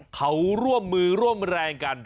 เขาร่วมมือร่วมแรงกัน